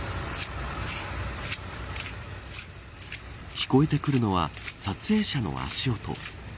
聞こえてくるのは撮影者の足音。